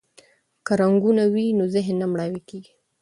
که رنګونه وي نو ذهن نه مړاوی کیږي.